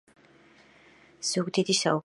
ზუგდიდი საუკეთესოა